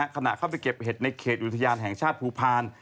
ขณะเข้าไปเก็บเห็ดในเขตอุทยานแห่งชาติภูพาล